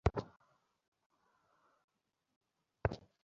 বাইরে রয়েছে।